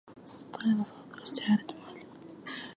طلب فاضل استعادة ماله.